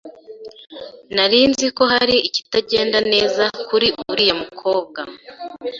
Nari nzi ko hari ikitagenda neza kuri uriya mukobwa.